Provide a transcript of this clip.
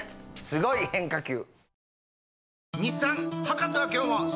すごい変化球。